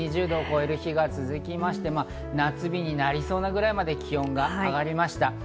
２０度超える日が続いて夏日になりそうなくらいまで気温が上がりました。